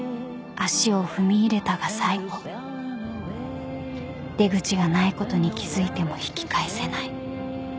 ［足を踏み入れたが最後出口がないことに気付いても引き返せない］